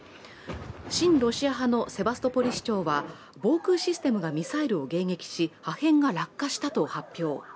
親ロシア派のセバストポリ市長は防空システムがミサイルを迎撃し破片が落下したと発表。